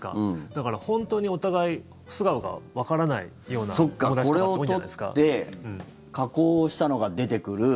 だから、本当にお互い素顔がわからないような友達とかこれを撮って加工をしたのが出てくる。